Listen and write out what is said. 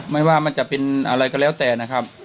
ไม่ว่ามันจะเป็นอะไรก็แล้วแต่นะครับ